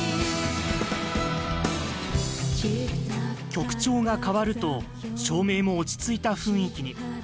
曲調が変わると照明も落ち着いた雰囲気に。